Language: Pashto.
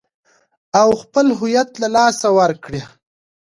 او خپل هويت له لاسه ور کړي .